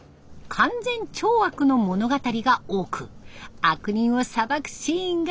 勧善懲悪の物語が多く悪人を裁くシーンが人気！